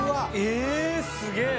えすげえ！